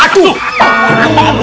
aduh kita kabur